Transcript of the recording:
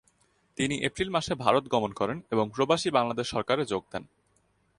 তিনি এপ্রিল মাসে ভারত গমন করেন এবং প্রবাসী বাংলাদেশ সরকারে যোগ দেন।